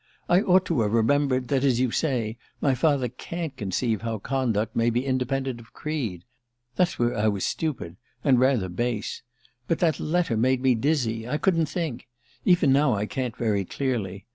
I ought to have remembered that, as you say, my father can't conceive how conduct may be independent of creed. That's where I was stupid and rather base. But that letter made me dizzy I couldn't think. Even now I can't very clearly.